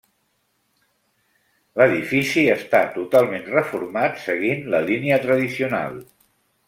L'edifici està totalment reformat seguint la línia tradicional.